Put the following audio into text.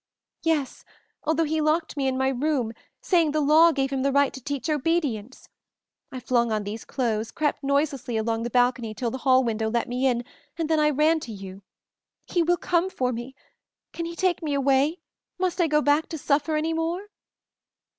"Yes, although he locked me in my room, saying the law gave him the right to teach obedience. I flung on these clothes, crept noiselessly along the balcony till the hall window let me in, and then I ran to you. He will come for me. Can he take me away? Must I go back to suffer any more?"